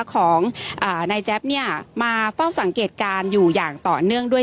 ของนายแจ๊บเนี่ยมาเฝ้าสังเกตการณ์อยู่อย่างต่อเนื่องด้วย